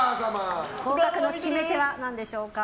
合格の決め手は何でしょうか。